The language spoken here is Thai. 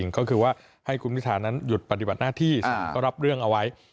ก็คือว่าให้คุณพิธานั้นหยุดปฏิบัติหน้าที่ก็รับเรื่องเอาไว้